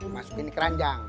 masukin di keranjang